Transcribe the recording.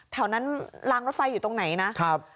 แถวนั้นรางรถไฟอยู่ตรงไหนนะครับ